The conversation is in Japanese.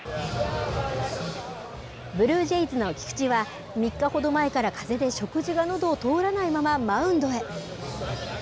ブルージェイズの菊池は、３日ほど前からかぜで食事がのどを通らないまま、マウンドへ。